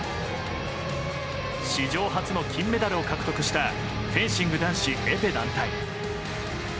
史上初の金メダルを獲得したフェンシング男子エペ団体。